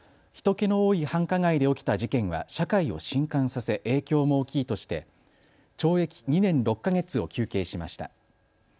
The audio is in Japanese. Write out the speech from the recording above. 人けの多い繁華街で起きた事件は社会をしんかんさせ影響も大きいとして懲役２年６か月を求刑しました。